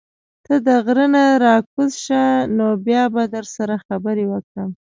ته د غرۀ نه راکوز شه نو بيا به در سره خبرې وکړم